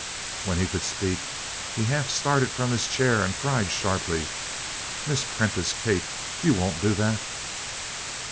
When he could speak he half started from his chair and cried sharply: "Miss Prentice! Kate! You won't do that!"